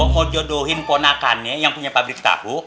mau jodohin ponakannya yang punya pabrik tahu